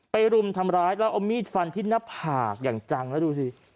รุมทำร้ายแล้วเอามีดฟันที่หน้าผากอย่างจังแล้วดูสิ